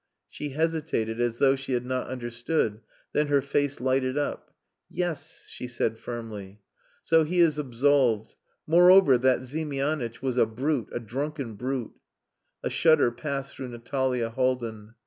She hesitated as though she had not understood, then her face lighted up. "Yes," she said firmly. "So he is absolved. Moreover, that Ziemianitch was a brute, a drunken brute." A shudder passed through Natalia Haldin.